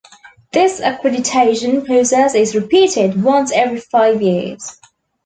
This accreditation process is repeated once every five years.